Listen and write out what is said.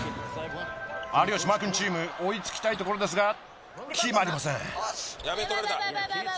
有吉＆マー君チーム追いつきたいとこ決まりません。